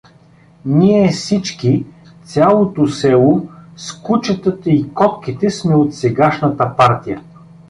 Ние сички, цялото село, с кучетата и котките сме от сегашната партия.